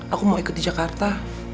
aku mau ikut di jakarta